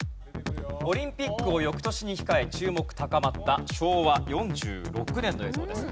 オリンピックを翌年に控え注目高まった昭和４６年の映像です。